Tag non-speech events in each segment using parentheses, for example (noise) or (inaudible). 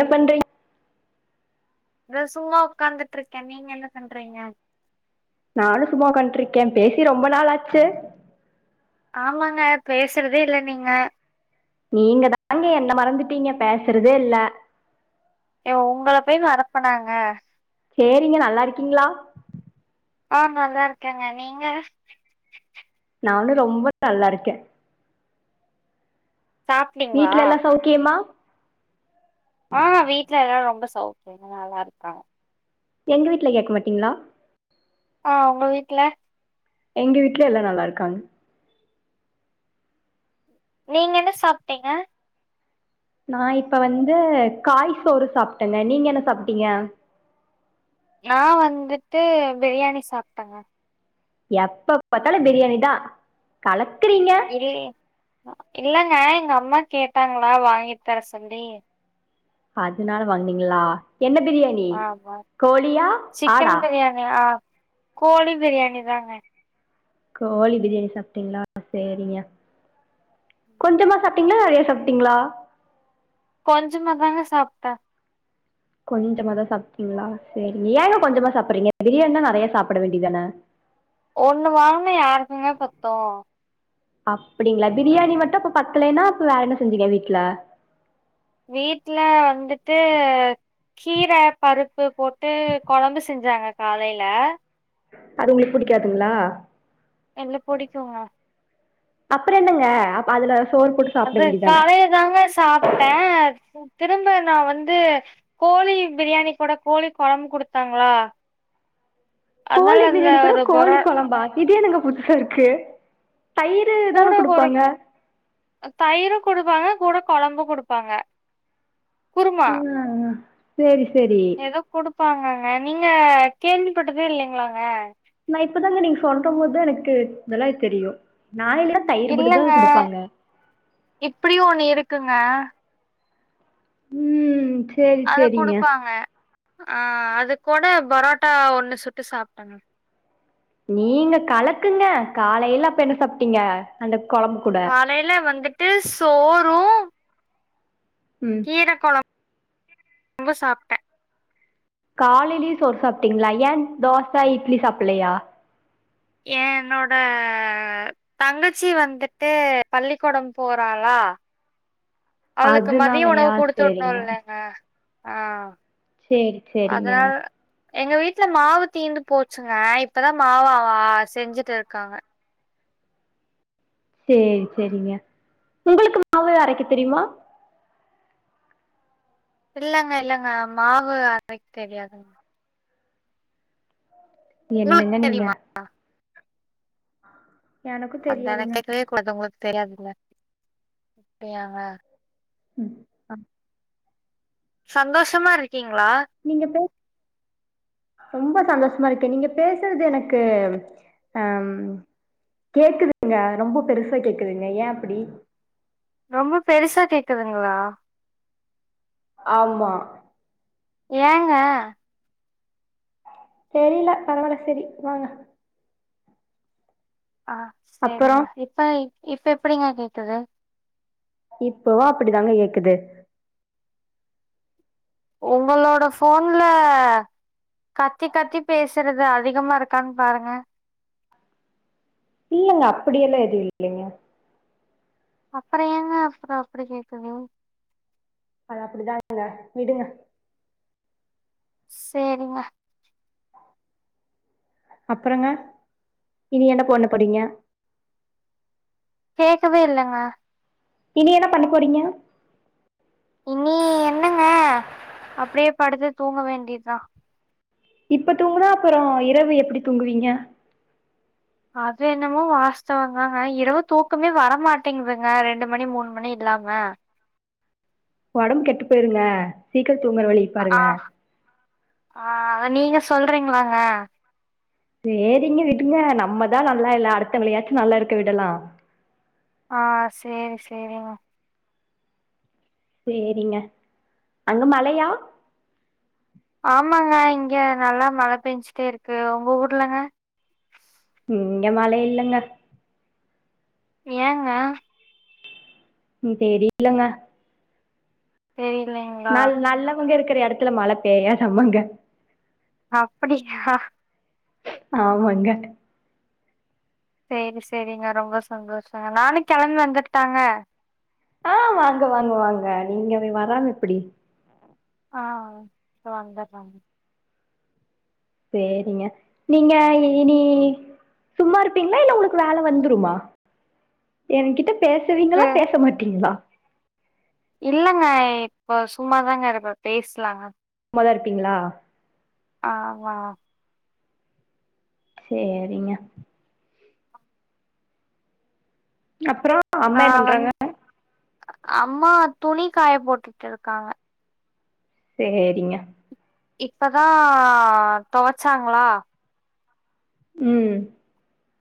என்ன பண்றீங் இத சும்மா உக்காந்துட்ருக்கே நீங் என்ன பண்றீங்க நானு சும்மா உக்காண்ட்ருக்கேன் பேசி ரொம்ப நாள் ஆச்சு ஆமாங்க பேசுறதே இல்ல நீங்க நீங்க தாங்க என்ன மறந்துட்டீங்க பேசுறதே இல்ல ஏன் உங்கள போய் மரப்பனாங்க சேரிங்க நல்லா இருக்கீங்ளா ஆ நல்லா இருக்கேங்க நீங்க நானு ரொம்ப நல்லா இருக்கேன் சாப்ட்டீங்களா வீட்ல எல்லா சௌ கிமா ஆ வீட்ல எல்லாரு ரொம்ப சௌக்கியங்க நல்லா இருக்காங்க எங்க வீட்ல கேக்குமாட்டீங்ளா ஆ உங்க வீட்ல எங்க வீட்ல எல்லா நல்லா இருக்காங்க நீங்க என்ன சாப்ட்டீங்க நா இப்ப வந்து காய்சோறு சாப்ட்டங்க நீங்க என்ன சாப்ட்டீங்க நா வந்துட்டு பிரியாணி சாப்ட்டங்க எப்ப பாத்தாலு பிரியாணிதா கலக்குறீங்க இல்லயே இல்லங்க எங்க அம்மா கேட்டாங்ளா வாங்கி தர சொல்லி அதுனால வாங்னீங்குளா என்ன பிரியாணி கோழியா ஆடா எ ஆ கோழி பிரியாணி தாங்க கோழி பிரியாணி சாப்ட்டீங்ளா சேரிங்க கொஞ்சமா சாப் டிங்ளா நெறைய சாப்ட்டீங்ளா கொஞ்சுமா தாங்க சாப்ட்ட கொஞ்சமாதா சாப்ட்டீங்ளா சேரிங்க ஏங்க கொஞ்சமா சாப்புறீங்க பிரியாண்னா நெறையா சாப்புட வேண்டிதான ஒன்னு வாங்னா யாருக்குங்க பத்தூ அப்புடிங்ளா பிரியாணி மட்டு அப்பு பத்துலேனா அப்பு வேறென்ன செஞ்சீங்க வீட்ல வீட்ல வந்துட்டு கீர பருப்பு போட்டு கொழம்பு செஞ்சாங்க காலேல அது உங்குளுக் புடிக்காதுங்ளா இல்ல புடிக்கூங்க அப்புற என்னங்க அப் அதுல சோறு போட்டு சாப்ட அது வேண்டியதான காலைய தாங்க சாப்ட்டே திரும்ப நா வந்து கோழி பிரியாணி கூட கோழி கொழம்பு குடுத்தாங்ளா கோழி பிரியாணி கூட ஒரு பொரா கோழி கொழம்பா இது என்னங்க புதுசா இருக்கு தயிரு தான குடுப்பாங்க தயிரூ குடுப்பாங்க கூட கொழம்பு குடுப்பாங்க குருமா ஆ சேரி சேரி எதோ கொடுப்பாங்கங்க நீங்க கேள்விப்பட்டதே இல்லைங்களாங்க நா இப்பதாங்க நீங்க சொல்ற போது எனக்கு இதெல்லாம் தெரியு நாளைல இருந் இல்லங்க இப்படியு ஒண்ணு இருக்குங்க ம் சேரி அத சேரிங்க குடுப்பாங்க. ஆ அது கூட பரோட்டா ஒண்ணு சுட்டு சாப்ட்டேங்க நீங்க கலக்குங்க காலைல்ல அப்ப என்ன சாப்ட்டீங்க அந்த கொழம்பு கூட காலைல வந்துட்டு சோறும் ம் கீர கொழம்பும் சாப்ட்டே காலைலே சோறு சாப்ட்டீங்களா ஏ தோச இட்லி சாப்பலையா ஏ ன்னோட தங்கச்சி வந்துட்டு பள்ளிக்கூடோ போறாளா அவளுக்கு மதிய உணவு அதுனாலயா குடுத்து வுட்ணும் சேரிங்க இல்லங்க ஆ சேரி சேரிங்க அத்னால எங்க வீட்ல மாவு தீந்து போச்சுங்க இப்பதா மாவாவா செஞ்சுட்டுருக்காங்க சேரி செர்ரிங்க உங்குளுக்கு மாவு அரக்கே தெரிமா இல்லங்க இல்லங்க மாவு அரக்கே தெரியாதுங்க உங்களுக்கு என்னங்க நீங்க தெரியுமா எனக்கு அத்தான தெரியாதுங்க கேக்கவே கூடாது உங்களுக்கு தெரியாதுல்ல அப்டியாங்க ம் ஆ சந்தோஷமாருக்கீங்ளா நீங்க பேஸ் ரொம்ப சந்தோஷமாருகே நீங்க பேசறது எனக்கு அ ம் கேக்குதுங்க ரொம்ப பெருசா கேக்குதுங்க ஏ அப்டி ரொம்ப பெருசா கேக்குதுங்களா ஆம்மா ஏங்க தெரில பரவால செரி வாங்க ஆ அப்பறோ சேரிங்க இப்ப இப்ப எப்டிங்க கேக்குது இப்பவு அப்டிதாங்க ஏக்குது ஒங்களோட போன்ல கத்தி கத்தி பேசறது அதிகமா இருக்கான்னு பாருங்க இல்லங்க அப்படியெல்லா எதுவு இல்லங்க அப்றோ ஏங்க அப்றோ அப்டி கேக்குது அது அப்டிதாங்க விடுங்க சேரிங்க அப்றோங்க இனி என்ன பொண்ண படிங்க கேட்கவேல்லங்க இனி என்ன பண்ண போறீங்க இனி என்னங்க அப்டியே படுத்து தூங்க வேண்டிதா இப்ப தூங்குனா அப்றோ இரவு எப்டி தூங்குவீங்க அது என்னமோ வாஸ்தவதாங்க இரவு தூக்கமே வரமாட்டிங்குதுங்க ரெண்டு மணி மூணு மணி இல்லாம ஒடம்பு கெட்டு பொய்ருங்க சீக்கரோ தூங்கற வழி அ பாருங்க ஆ அத நீங்க சொல்றீங்களாங்க சேரிங்க விடுங்க நம்மதா நல்லா இல்ல அடுத்த வங்களா யாச்சு நல்லா இருக்க விடலா ஆ சேரி சேரிங்க சேரிங்க அங்க மழையா ஆமாங்க இங்க நல்லா மழ பேஞ்டே இருக்கு உங்க ஊர்லங்க இங்க மழ இல்லங்க ஏங்க ம் தெரிலங்க தெரிலங்க நாலு நல்லவங்க இருக்கற எடத்துல மழ பேய்யாதாமாங்க அப்டியா ஆமாங்க சேரி சேரிங்க ரொம்ப சந்தோஷங்க நானு கெளம்பி வந்துர்ட்டாங்க ஆ வாங்க வாங்க வாங்க நீங்க வே வராம எப்டி ஆ வந்தரங் சேரிங்க நீங்க இனி நீ சும்மா இருப்பீங்ளா இல்ல உங்குளுக்கு வேல வந்துருமா எங்கிட்ட பேசுவீங்களா இது பேச மாட்டீங்ளா இல்லங்க இப்போ சும்மாதாங்க இருப்ப பேசலாங்க நல்லாருக்கீங்களா ஆமா சேரிங்க அப்றோ அம்மா ஆ என்ன வந் பண்றாங்க அம்மா துணி காய போட்டுட்ருக்காங்க சேரிங்க இப்பதா தொவச்சாங்ளா ம்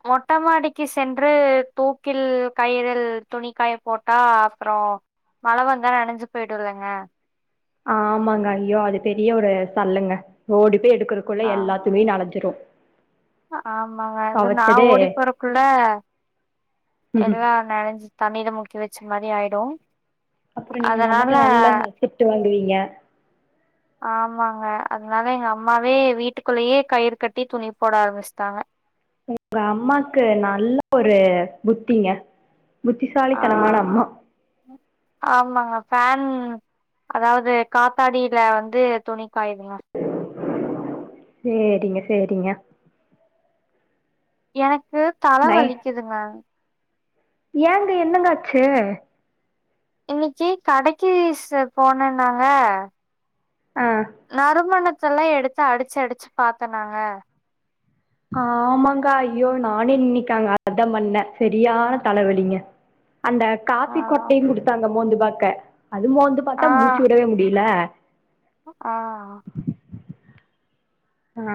மொட்டமாடிக்கு சென்று தூக்கில் கயிரில் துணிக்காய போட்டா அப்றோ மழ வந்தா நனஞ்சு போயிடுல்லங்க ஆமாங்க ஐயா அது பெரிய ஒரு சல்லங்க ஓடிப்போய் எடு குருக்குள்ள ஆ எல்லாத் துணியு நனஞ்சிரு ஆமாங்க அது நா தொவச்சதே ஓடி போறக்குள்ள எல்லா நனஞ்சி தண்ணில முக்கி வச்ச மாரி ஆயிடு அப்புறோ நீ உங்க அதனால அம்மாட்ட நல்லா ம் திட்டு வாங்குவீங்க ஆமாங்க அதனால எங்க அம்மாவே வீட்டுக்குள்ளேயே கயிறு கட்டி துணி போட ஆரமிஸ்டாங்க உங்க அம்மாக்கு நல்ல ஒரு புத்திங்க ஆ புத்திசாலித்தனமான அம்மா ஆமாங்க ஃபேன் அதாவது காத்தாடியில வந்து துணி காய்துங்க சேரிங்க சேரிங்க எனக்கு தல நை வலிக்குதுங்க ஏங்க என்னங்காச்சு இன்னைக்கி கடைக்கி சேர் போனனாங்க ஆ நறு மணத்தெல்லா எடுத்து அடிச்சி அடிச்சி பாத்தனாங்க ஆமாங்க ஐயோ நானே இன்னிக் அங்க அதா பண்ண செரியான தலவலிங்க அந்த ஆ காப்பி கொட்டையு குடுத்தாங்க மோந்து பாக்க அது மோந்து ஆ பாத்தா மூச்சி வுடவே முடியில ஆ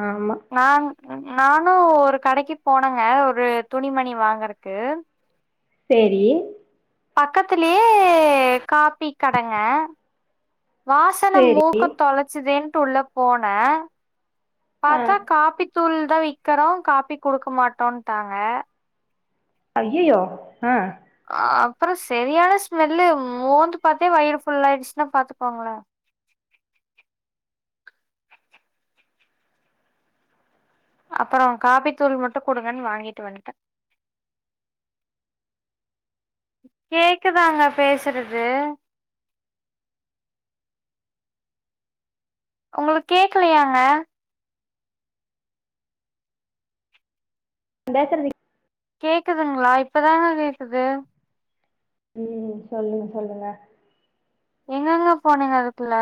ஆமா நா நானு ஒரு கடைக்கு போனங்க ஒரு துணி மணி வாங்கறக்கு சேரி பக்கத்திலயே காபி கடங்க வாசன சேரி மூக்க தொலைச்சதேன்ட்டு உள்ள போனே ஆ பாத்தா காப்பி தூள்தா விக்கறோ காப்பி குடுக்க மாட்டான்டாங்க ஐய்யய்யோ அப்பறோ சரியான ஸ்மெல்லு மோந்து பாத்தே வயிறு ஃபுல்ல ஆயிடுச்சுன்னா பாத்துக்கோங்களா அப்பறோ காப்பி தூள் மட்டு கொடுங்கன்னு வாங்கிட்டு வந்துட்ட கேக்குதாங்க பேசறது உங்களுக் கேக்கலையாங்க (unintelligible) கேக்குதுங்ளா இப்பதான கேக்குது ம் சொல்லுங் சொல்லுங்க எங்கெங்க போனீங்க அதுக்குள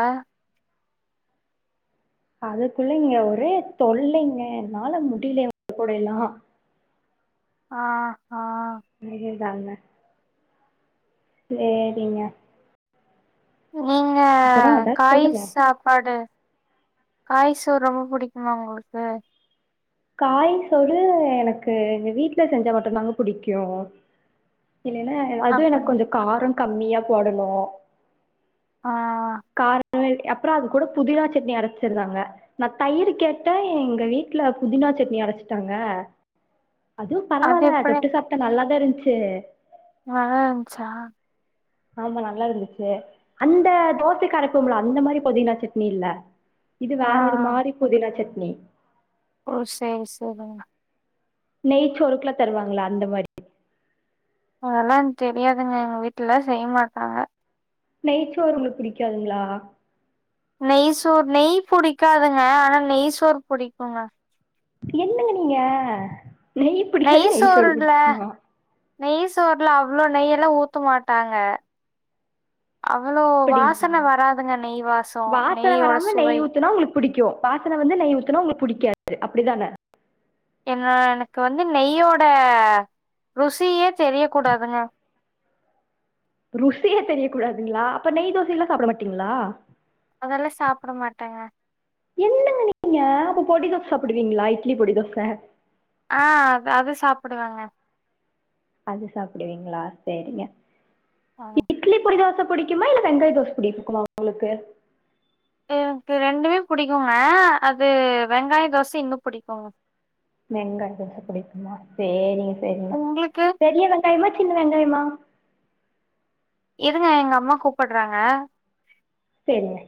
அதுக்குள்ள இங்க ஒரே தொல்லைங்க என்னால முடில (inaudible) இவங் கூடைலா ஆஆ (unintelligible) சேரிங்க. நீங்க அப்புறம் ஏதாவது காய் சொல்லுங்க சாப்பாடு காய்சோறு ரொம்ப புடிக்குமா உங்ளுக்கு காய் சோறு எனக்கு எங்க வீட்ல செஞ்சா மட்டும்தாங்க புடிக்கு இல்லேனா அது எனக் அப்படி கொஞ்ச காரோ கம்மியா போடனு ஆ கா (unintelligible) அப்றோ அது கூட புதினா சட்னி அறச்சிருந்தாங்க நா தயிர் கேட்ட எங்க வீட்டுல புதினா சட்னி அரச்சுட்டாங்க அதுவு அது பரவால்ல எப்படி தொட்டு சாப்பிட்டா நல்லாதாயிருன்ச்சு நல்லாருச்சா ஆமா நல்லா இருந்துச்சி அந்த தோசைக்கு அரைப்போம்ல அந்த மாரி புதினா சட்னி இல்ல இது ஆ வேற ஒரு மாரி புதினா சட்னி ஓ சேரி சேரிங்க நெயச்சோறுக்கலா தருவாங்கள அந்த மாரி அதெல்லா எனக் தெரியாதுங்க எங்க வீட்ல செய்ய மாட்டாங்க நெய்ச்சோறு உங்ளுக்கு புடிக்காதுங்களா நெய் சோர் நெய் புடிக்காதுங்க ஆனா நெய் சோர் புடிக்குங்க என்னங்க நீங்க நெய் புடிக்காது நெய் சோறு புடிக்குமா நெய் சோறுல அவ்ளோ நெய்யலா ஊத்த மாட்டாங்க அவ்வளோ அப்படிங்களா வாசனை வராதுங்க நெய் வாசோ நெய்யோட சுவை புடிக்கு வாசன வந்து நெய் ஊத்தனா உங்ளுக்கு புடிக்காது அப்டிதான ஏனா எனக்கு வந்து நெய்யோட ருசியே தெரிய கூடாதுங்க ருசியே தெரியக் கூடாதுங்களா அப்ப நெய் தோசை எல்லா சாப்ட மாட்டீங்களா அதெல்லா சாப்ட மாட்டாங்க என்னங்க நீீங்க அப்ப பொடி தோச சாப்புடுவீங்களா இட்லி பொடி தோச ஆ அது சாப்புடுவங்க அது சாப்பிடுவீங்களா சேரிங்க ஆ இட்லி பொடி தோச பிடிக்குமா இல்ல வெங்காய தோச பிடிக்குமா உங்களுக்கு எனக்கு ரெண்டுமே புடிக்குங்க அது வெங்காய தோச இன்னு புடிக்குங்க வெங்காய தோச புடிக்குமா சேரிங்க சேரிங்க உங்களுக்கு பெரிய வெங்காயமா சின்ன வெங்காயமா இருங்க எங்க அம்மா கூப்ட்றாங்க சேரிங்க